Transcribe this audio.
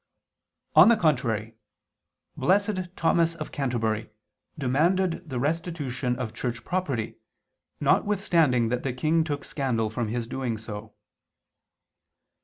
On the contrary, Blessed Thomas of Canterbury demanded the restitution of Church property, notwithstanding that the king took scandal from his doing so.